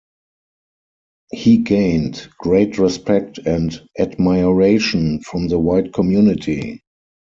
He gained great respect and admiration from the white community.